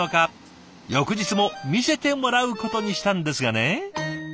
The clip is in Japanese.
翌日も見せてもらうことにしたんですがね。